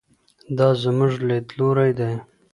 دا زموږ لیدلوری دی.